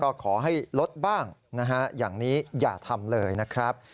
ก็ขอให้ลดบ้างนะฮะอย่างนี้อย่าทำเลยนะครับ